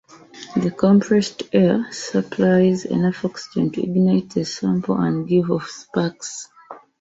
The compressed air supplies enough oxygen to ignite the sample and give off sparks.